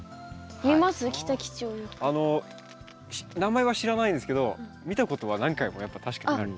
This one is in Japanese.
あの名前は知らないんですけど見たことは何回もやっぱ確かにある。